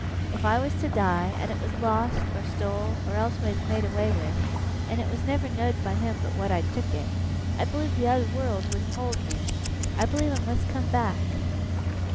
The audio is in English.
If I was to die, and it was lost, or stole, or elseways made away with, and it was never know'd by him but what I'd took it, I believe the t'other wureld wouldn't hold me! I believe I must come back!